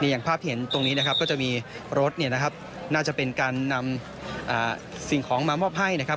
อย่างภาพที่เห็นตรงนี้นะครับก็จะมีรถเนี่ยนะครับน่าจะเป็นการนำสิ่งของมามอบให้นะครับ